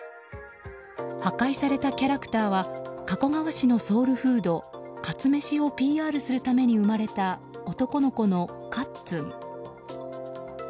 破壊されたキャラクターは加古川市のソウルフードかつめしをＰＲするために生まれた男の子のかっつん。